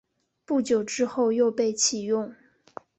不久之后又被起用。